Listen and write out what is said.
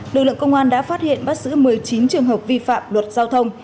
lực lượng công an đã phát hiện bắt giữ một mươi chín trường hợp vi phạm luật giao thông